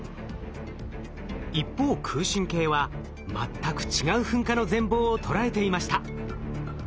一方空振計は全く違う噴火の全貌を捉えていました。